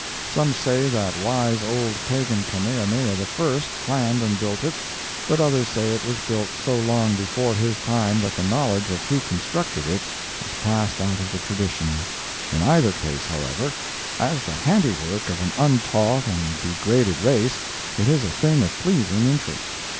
Some say that wise old pagan Kamehameha I planned and built it, but others say it was built so long before his time that the knowledge of who constructed it has passed out of the traditions. In either case, however, as the handiwork of an untaught and degraded race it is a thing of pleasing interest.